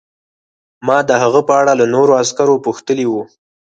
ما د هغه په اړه له نورو عسکرو پوښتلي وو